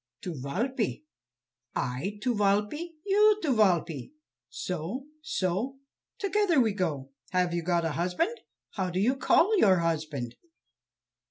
"To Walpe." "I to Walpe, you to Walpe; so, so, together we go." "Have you got a husband? How do you call your husband?"